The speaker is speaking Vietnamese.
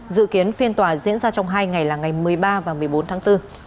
dự kiến phiên tòa diễn ra trong hai ngày là ngày một mươi ba và một mươi bốn tháng bốn